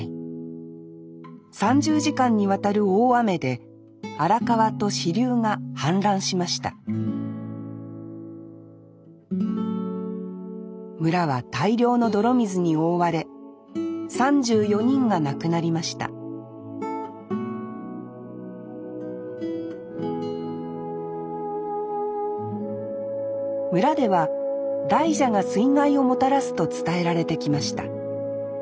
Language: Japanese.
３０時間にわたる大雨で荒川と支流が氾濫しました村は大量の泥水に覆われ３４人が亡くなりました村では大蛇が水害をもたらすと伝えられてきました。